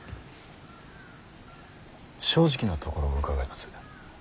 正直なところを伺います。